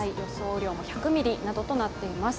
雨量も１００ミリなどとなっています。